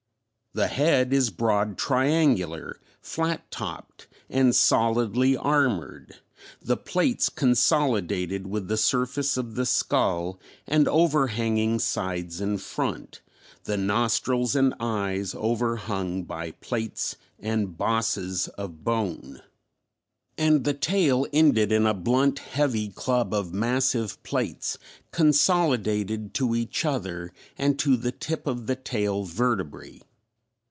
The head is broad triangular, flat topped and solidly armored, the plates consolidated with the surface of the skull and overhanging sides and front, the nostrils and eyes overhung by plates and bosses of bone; and the tail ended in a blunt heavy club of massive plates consolidated to each other and to the tip of the tail vertebrae.